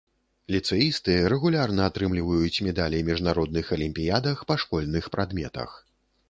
Ліцэісты рэгулярна атрымліваюць медалі міжнародных алімпіядах па школьных прадметах.